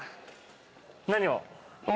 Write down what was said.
何を？